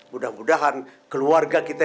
mudah mudahan keluarga kita